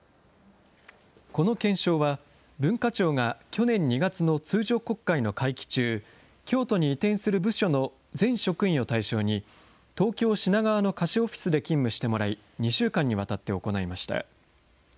この検証は、文化庁が去年２月の通常国会の会期中、京都に移転する部署の全職員を対象に、東京・品川の貸しオフィスで勤務してもらい、２週間にわたって行いました。